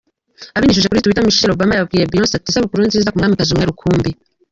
Abinyujije kuri Twitter Michelle Obama yabwiye Beyonce ati “Isabukuru nziza ku mwamikazi umwe rukumbi.